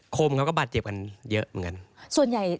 คมครับก็บาดเจ็บกันเยอะเหมือนกัน